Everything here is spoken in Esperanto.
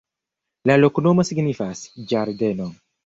La loknomo signifas: ĝardeno.